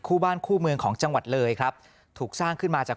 คู่บ้านคู่เมืองของจังหวัดเลยครับถูกสร้างขึ้นมาจาก